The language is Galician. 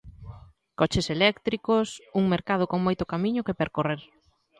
Coches eléctricos, un mercado con moito camiño que percorrer.